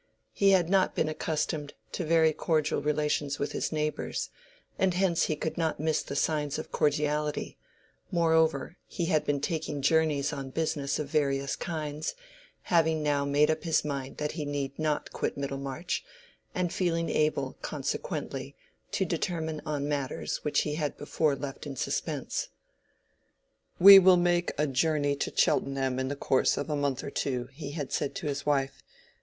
He had not been accustomed to very cordial relations with his neighbors, and hence he could not miss the signs of cordiality; moreover, he had been taking journeys on business of various kinds, having now made up his mind that he need not quit Middlemarch, and feeling able consequently to determine on matters which he had before left in suspense. "We will make a journey to Cheltenham in the course of a month or two," he had said to his wife.